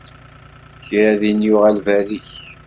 Kra din yuɣal berrik.